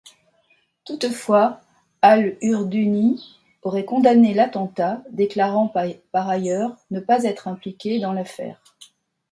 Toutefois, al-Urduni aurait condamné l'attentat, déclarant par ailleurs ne pas être impliqué dans l'affaire.